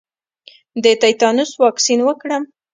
د تیتانوس واکسین وکړم؟